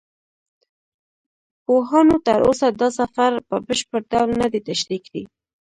پوهانو تر اوسه دا سفر په بشپړ ډول نه دی تشریح کړی.